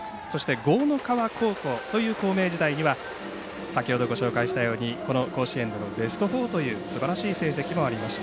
江の川高校という校名時代には先ほどご紹介したようにこの甲子園のベスト４というすばらしい成績もありました。